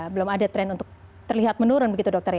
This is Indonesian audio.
belum ada tren untuk terlihat menurun begitu dokter ya